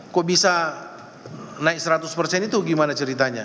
kok bisa naik seratus persen itu gimana ceritanya